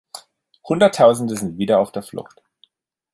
Hunderttausende sind wieder auf der Flucht.